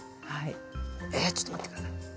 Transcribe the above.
えちょっと待って下さい。